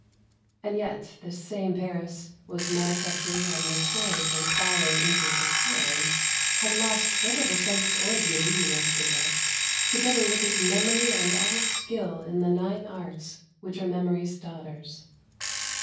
And yet this same Paris was manifestly and notoriously falling into a decline, had lost whatever sense or beauty he once possessed, together with his 27 Beauty. memory and all skill in the nine arts which are memory's daughters.